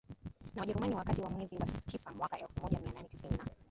na WajerumaniWakati wa mwezi wa tisa mwaka elfu moja mia nane tisini na